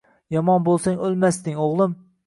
Yomon bo’lsang o’lmasding, o’g’lim…